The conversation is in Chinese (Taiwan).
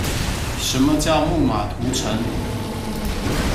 什麼叫木馬屠城